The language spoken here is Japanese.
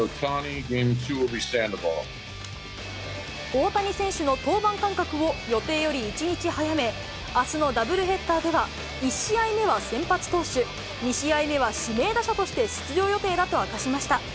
大谷選手の登板間隔を予定より１日早め、あすのダブルヘッダーでは、１試合目は先発投手、２試合目は指名打者として、出場予定だと明かしました。